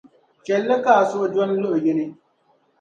Chɛli li ka a suhu doni luɣ’ yini.